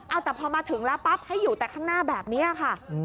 เอาแต่พอมาถึงแล้วปั๊บให้อยู่แต่ข้างหน้าแบบนี้ค่ะ